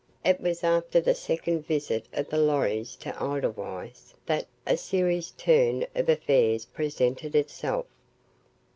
It was after the second visit of the Lorrys to Edelweiss that a serious turn of affairs presented itself.